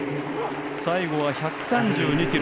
最後は１３２キロ。